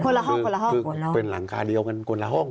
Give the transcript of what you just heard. คือเป็นหลังคาเดียวกันคนละห้อง